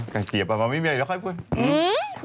ไก่เกลียป่ะมันไม่มีอะไรแล้วค่อยพูด